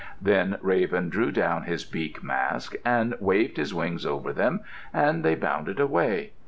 Then Raven drew down his beak mask, and waved his wings over them, and they bounded away.